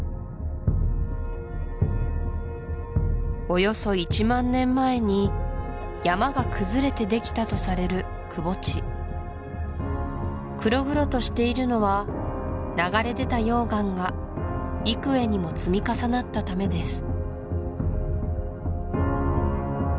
およそ１万年前に山が崩れてできたとされる窪地黒々としているのは流れ出た溶岩が幾重にも積み重なったためです